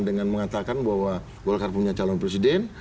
dengan mengatakan bahwa golkar punya calon presiden